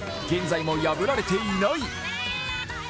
現在も破られていない。